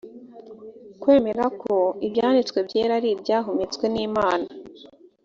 kwemera ko ibyanditswe byera ari ibyahumetswe n’imana